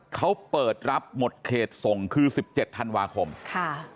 เขาเปิดรับหมดเขตส่งคือ๑๗ธันวาคมค่ะ